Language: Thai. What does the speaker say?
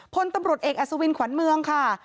พลตำรวจเอกอัศวินขวัญเมืองค่ะ